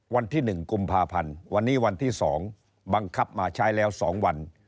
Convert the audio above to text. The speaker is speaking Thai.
วันที่๑กุมภาพันธ์วันนี้วันที่๒บังคับมาใช้แล้ว๒วัน